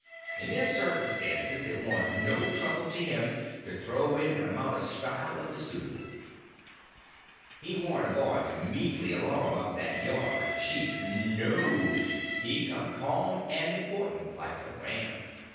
In them circumstances it warn't no trouble to him to throw in an amount of style that was suitable. He warn't a boy to meeky along up that yard like a sheep; no, he come ca'm and important, like the ram.